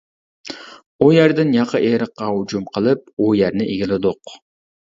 ئۇ يەردىن ياقا ئېرىققا ھۇجۇم قىلىپ ئۇ يەرنى ئىگىلىدۇق.